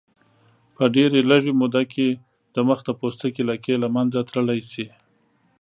په ډېرې لږې موده کې د مخ د پوستکي لکې له منځه تللی شي.